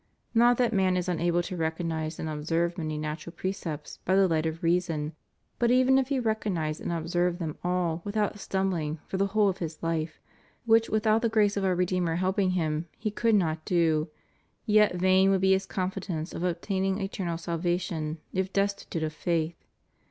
Not that man is unable to recognize and observe many natural precepts by the light of reason, but even if he recognize and observe them all without stumbling for the whole of his hfe, which without the grace of Our Re deemer helping him, he could not do, yet vain would be his confidence of obtaining eternal salvation if destitute of faith.